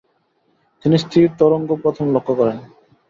তিনি স্থির তরঙ্গও প্রথম লক্ষ্য করেন।